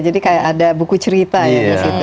jadi kayak ada buku cerita ya